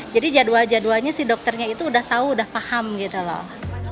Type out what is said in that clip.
jadwal jadwalnya si dokternya itu udah tahu udah paham gitu loh